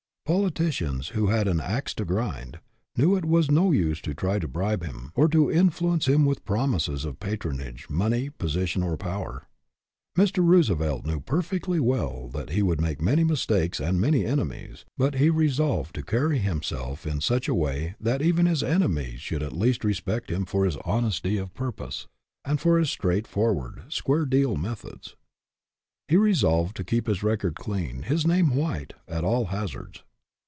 Politicians who had an " ax to grind " knew it was no use to try to bribe him, or to influence him with promises of patronage, money, position, or power. Mr. Roosevelt knew perfectly well that he would make many mistakes and many enemies, but he resolved to carry himself in such a way that even his enemies should at least respect him for his honesty of purpose, and for his straight forward, " square deal " methods. He re solved to keep his record clean, his name white, at all hazards.